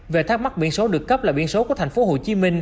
về thắc mắc biển số được cấp là biển số của tp hcm